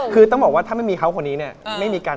คือต้องบอกว่าถ้าไม่มีเขาคนนี้เนี่ยไม่มีการ